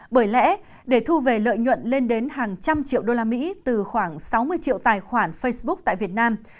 bởi lẽ để thu về lợi nhuận lên đến hàng trăm triệu usd từ khoảng sáu mươi triệu tài khoản facebook tại việt nam